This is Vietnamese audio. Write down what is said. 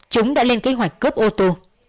chúng đã lên kế hoạch cướp ô tô